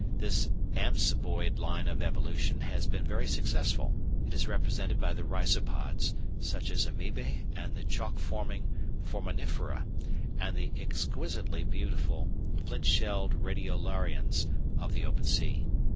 This amoeboid line of evolution has been very successful; it is represented by the Rhizopods, such as Amoebæ and the chalk forming Foraminifera and the exquisitely beautiful flint shelled Radiolarians of the open sea.